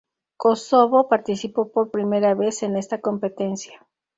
Kosovo participó por primera vez en esta competencia.